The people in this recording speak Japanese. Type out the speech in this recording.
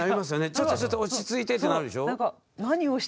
ちょっとちょっと落ち着いてってなるでしょ？